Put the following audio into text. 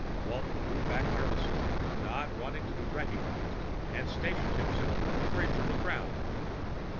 Walton drew back nervously, not wanting to be recognized, and stationed himself at the fringe of the crowd.